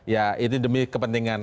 ya ini demi kepentingan